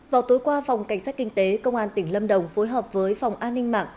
vào tối qua phòng cảnh sát kinh tế công an tỉnh lâm đồng phối hợp với phòng an ninh mạng